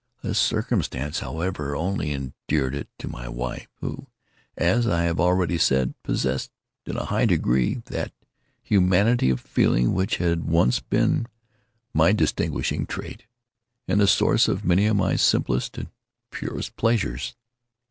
This circumstance, however, only endeared it to my wife, who, as I have already said, possessed, in a high degree, that humanity of feeling which had once been my distinguishing trait, and the source of many of my simplest and purest pleasures.